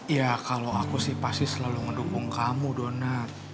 ya kalau aku sih pasti selalu mendukung kamu donat